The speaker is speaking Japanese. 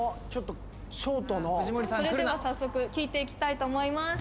それでは早速聞いていきたいと思います